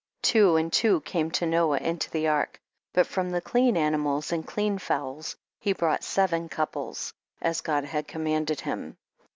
9. Two and two came to Noah into the ark, but from the clean ani mals, and clean fowls, he brought seven couples, as God had com manded him.